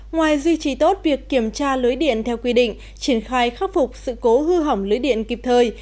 ngoài duy trì tốt việc kiểm tra lưới điện theo quy định triển khai khắc phục sự cố hư hỏng lưới điện kịp thời